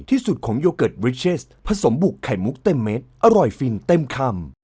ที่สุดของโยเกิร์ตบริเชสผสมบุกไข่มุกเต็มเม็ดอร่อยฟินเต็มคำ